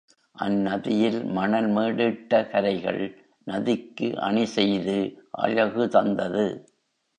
அந் நதியில் மணல் மேடிட்ட கரைகள் நதிக்கு அணி செய்து அழகு தந்தது.